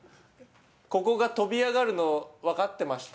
ここが飛び上がるの分かっていました？